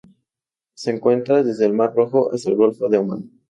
Se encuentra desde el Mar Rojo hasta el Golfo de Omán.